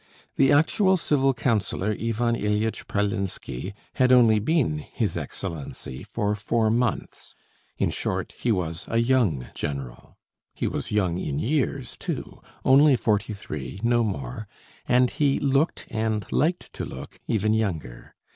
The actual civil councillor Ivan Ilyitch Pralinsky had only been "his Excellency" for four months; in short, he was a young general. He was young in years, too only forty three, no more and he looked and liked to look even younger.